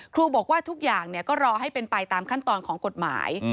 ครูบอกว่าทุกอย่างก็รอให้เป็นไปตามขั้นตอนของกฎหมาย